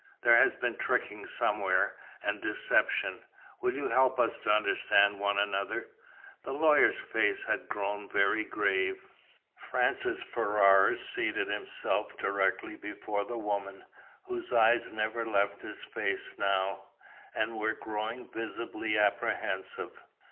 There has been tricking somewhere, and deception. Will you help us to understand one another?" The lawyer's face had grown very grave. Francis Ferrars seated himself directly before the woman, whose eyes never left his face now, and were growing visibly apprehensive.